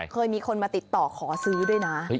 เคยมีคนมาติดต่อขอซื้อด้วยนะ